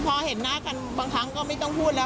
พอเห็นหน้ากันบางครั้งก็ไม่ต้องพูดแล้ว